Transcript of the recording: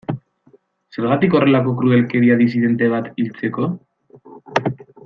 Zergatik horrelako krudelkeria disidente bat hiltzeko?